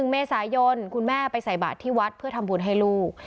๑เมษายนคุณแม่ไปใส่บาทที่วัดเพื่อทำบุญให้ลูก